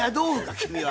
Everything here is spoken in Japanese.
君は。